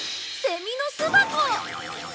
セミの巣箱！